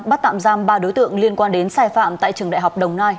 bắt tạm giam ba đối tượng liên quan đến sai phạm tại trường đại học đồng nai